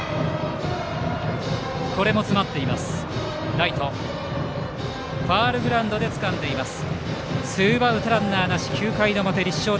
ライト、ファウルグラウンドでつかみました。